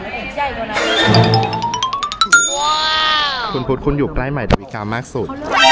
คุณพุทธคุณอยู่ใกล้ใหม่ดาวิกามากสุด